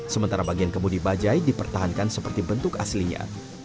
sementara bagian kemudi bajai dipertahankan seperti bentuk aslinya